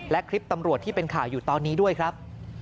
และคลิปตำรวจที่เป็นข่าวอยู่ตอนนี้ด้วยครับ